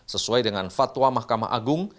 sesuai dengan fatwa mahkamah agung